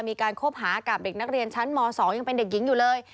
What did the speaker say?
คบหากับเด็กนักเรียนชั้นม๒ยังเป็นเด็กหญิงอยู่เลย